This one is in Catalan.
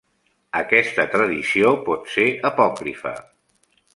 Aquesta tradició pot ser apòcrifa.